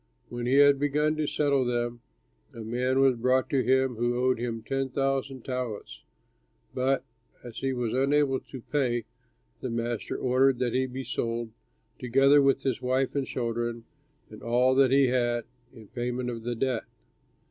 When he had begun to settle them, a man was brought to him who owed him ten thousand talents; but as he was unable to pay, the master ordered that he be sold, together with his wife and children and all that he had, in payment of the debt.